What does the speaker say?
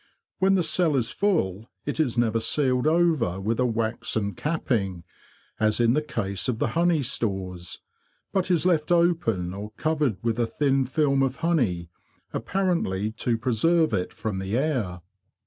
When the cell is full it is never sealed over with a waxen capping, as in the case of the honey stores, but is left open or covered with a thin film of honey, apparently to preserve it from the air.